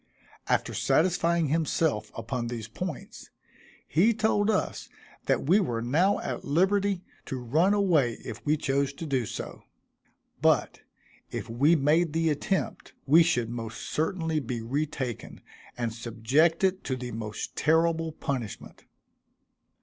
After satisfying himself upon these points, he told us that we were now at liberty to run away if we chose to do so; but if we made the attempt we should most certainly be re taken, and subjected to the most terrible punishment.